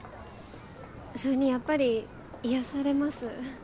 それにやっぱり癒されます。